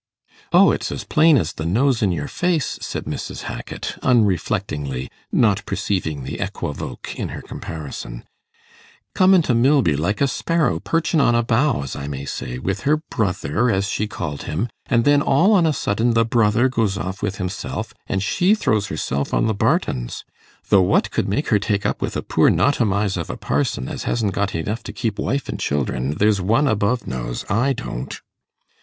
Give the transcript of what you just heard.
'O, it's as plain as the nose in your face,' said Mrs. Hackit, unreflectingly, not perceiving the equivoque in her comparison 'comin' to Milby, like a sparrow perchin' on a bough, as I may say, with her brother, as she called him; and then all on a sudden the brother goes off with himself, and she throws herself on the Bartons. Though what could make her take up with a poor notomise of a parson, as hasn't got enough to keep wife and children, there's One above knows I don't.